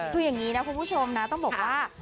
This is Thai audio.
คืออย่างนี้นะคุณผู้ชมนะต้องบอกว่า